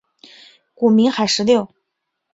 古名海石榴。